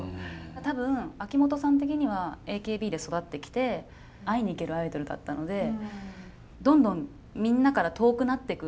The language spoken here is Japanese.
多分秋元さん的にはＡＫＢで育ってきて「会いに行けるアイドル」だったのでどんどんみんなから遠くなってく